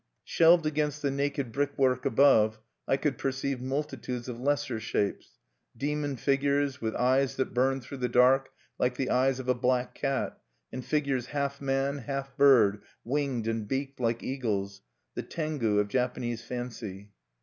Shelved against the naked brickwork above, I could perceive multitudes of lesser shapes: demon figures with eyes that burned through the dark like the eyes of a black cat, and figures half man, half bird, winged and beaked like eagles, the Tengu of Japanese fancy.